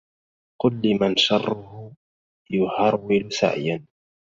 قل لمن شره يهرول سعيا